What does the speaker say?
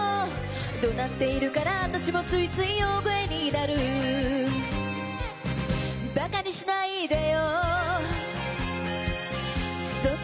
「怒鳴っているから私もついつい大声になる」「馬鹿にしないでよそっちのせいよ」